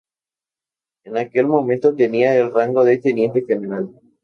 En aquel momento tenía el rango de Teniente General.